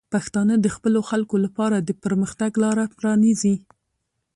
پښتانه د خپلو خلکو لپاره د پرمختګ لاره پرانیزي.